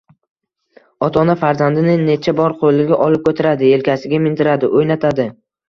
Ota-ona farzandini necha bor qo‘liga olib ko‘taradi, yelkasiga mindiradi, o‘ynatadi.